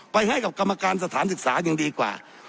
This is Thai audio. ไปให้กับกรรมการสถานศึกษายังดีกว่า